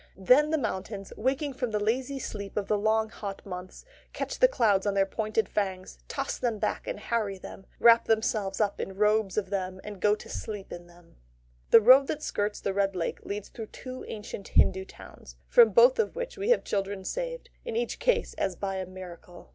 Then the mountains, waking from the lazy sleep of the long, hot months, catch the clouds on their pointed fangs, toss them back and harry them, wrap themselves up in robes of them, and go to sleep again. The road that skirts the Red Lake leads through two ancient Hindu towns, from both of which we have children saved, in each case as by a miracle.